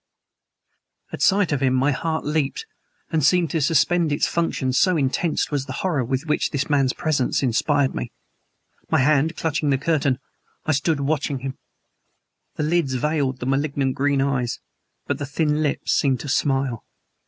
At sight of him my heart leaped and seemed to suspend its functions, so intense was the horror which this man's presence inspired in me. My hand clutching the curtain, I stood watching him. The lids veiled the malignant green eyes, but the thin lips seemed to smile.